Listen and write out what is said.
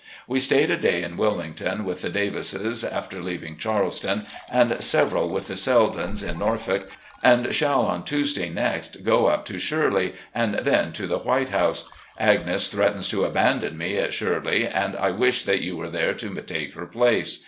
We stayed a day in Wilmington with the Davises after leaving Charleston, and several with the Seldens in Norfolk, and shall on Tuesday next go up to ' Shirley, ' and then to the ' White House. ' Agnes threatens to abandon me at 'Shirley,' and I wish that you were there to take her place.